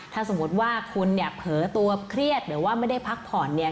ถ้าสมมุติว่าคุณเนี่ยเผลอตัวเครียดหรือว่าไม่ได้พักผ่อนเนี่ย